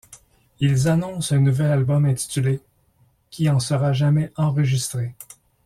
Ils annoncent un nouvel album intitulé ', qui en sera jamais enregistré.